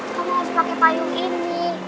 kamu harus pakai payung ini